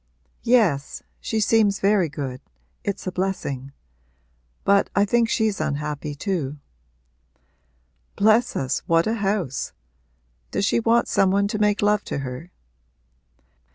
'Yes she seems very good it's a blessing. But I think she's unhappy too.' 'Bless us, what a house! Does she want some one to make love to her?'